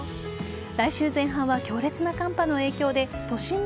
来週前半は強烈な寒波の影響で